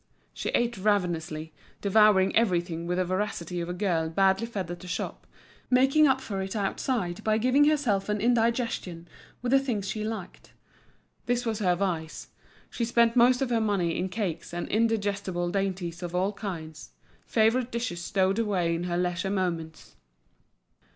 She ate ravenously, devouring everything with the voracity of a girl badly fed at the shop, making up for it outside by giving herself an indigestion with the things she liked; this was her vice, she spent most of her money in cakes and indigestible dainties of all kinds, favourite dishes stowed away in her leisure moments.